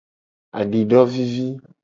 Adidovivi.